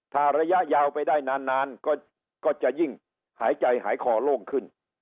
ถ้าระยะยาวไปได้นานก็จะยิ่งหายใจหายคอโล่งขึ้น